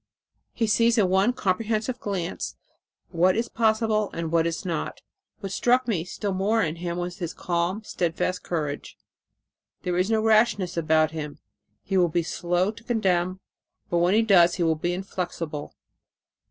He sees in one comprehensive glance what is possible and what is not. What struck me still more in him was his calm, steadfast courage. There is no rashness about him; he will be slow to condemn, but when he does he will be inflexible.